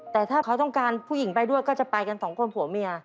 แต่ถ้าเขาต้องการผู้หญิงไปด้วยก็จะไปกันสองคนผัวเมีย